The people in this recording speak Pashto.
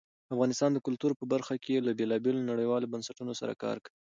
افغانستان د کلتور په برخه کې له بېلابېلو نړیوالو بنسټونو سره کار کوي.